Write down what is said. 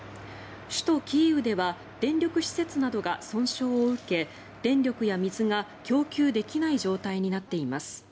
首都キーウでは電力施設などが損傷を受け電力や水が供給できない状態になっています。